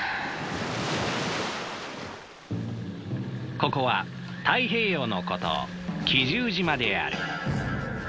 ここは太平洋の孤島奇獣島である。